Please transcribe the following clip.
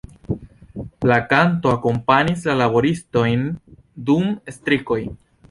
La kanto akompanis la laboristojn dum strikoj.